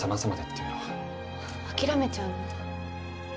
諦めちゃうの？